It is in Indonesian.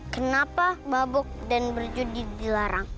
kenapa babuk dan berjudi dilarang